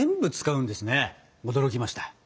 驚きました。